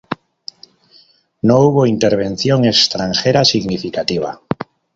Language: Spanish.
No hubo intervención extranjera significativa.